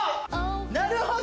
なるほど！